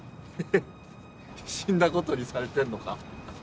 死んだことにされてんのか？